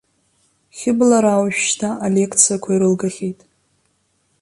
Хьыблараа уажәшьҭа алеқциақәа ирылгахьеит.